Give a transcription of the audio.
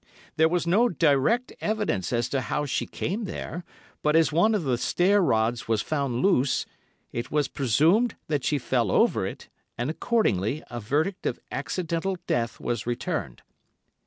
There was no direct evidence as to how she came there, but as one of the stair rods was found loose, it was presumed that she fell over it, and, accordingly, a verdict of accidental death was returned.